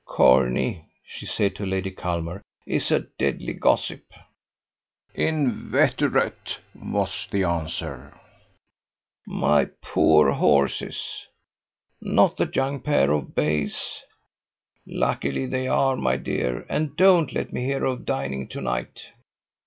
"Corney," she said to Lady Culmer, "is a deadly gossip." "Inveterate," was the answer. "My poor horses!" "Not the young pair of bays?" "Luckily they are, my dear. And don't let me hear of dining to night!"